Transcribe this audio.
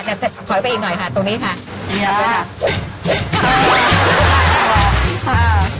แต่แต่ขอให้ไปอีกหน่อยค่ะตรงนี้ค่ะอย่างงี้ล่ะค่ะ